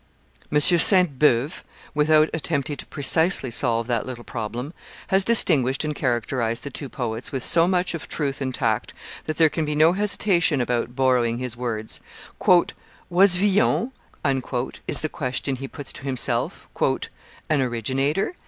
M. Sainte Beuve, without attempting to precisely solve that little problem, has distinguished and characterized the two poets with so much of truth and tact that there can be no hesitation about borrowing his words: "Was Villon," is the question he puts to himself, "an originator?